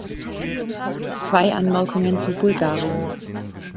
Zwei Anmerkungen zu Bulgarien.